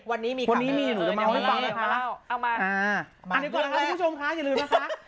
อันนี้ก่อนนะครับที่ผู้ชมคะอย่าลืมนะคะ